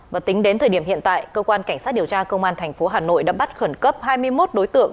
và tính đến thời điểm hiện tại cơ quan cảnh sát điều tra công an tp hà nội đã bắt khẩn cấp hai mươi một đối tượng